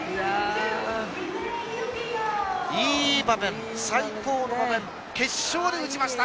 いい場面、最高の場面決勝で打ちました。